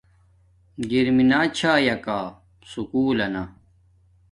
گر مینا چھایا کا سکُول لنا